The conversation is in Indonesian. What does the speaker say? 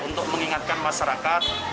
untuk mengingatkan masyarakat